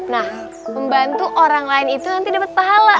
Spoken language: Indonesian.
nah membantu orang lain itu nanti dapat pahala